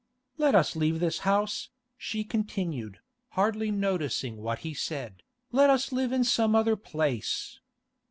'Let us leave this house,' she continued, hardly noticing what he said, 'Let us live in some other place.